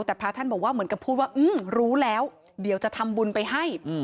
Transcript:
แต่พระท่านบอกว่าเหมือนกับพูดว่ารู้แล้วเดี๋ยวจะทำบุญไปให้